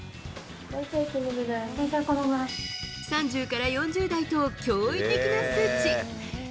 ３０から４０台と、驚異的な数値。